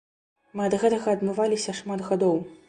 Мы ад гэтага адмываліся шмат гадоў.